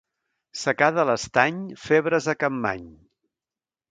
Secada a l'Estany, febres a Capmany.